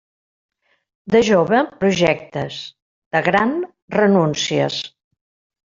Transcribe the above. De jove, projectes; de gran, renúncies.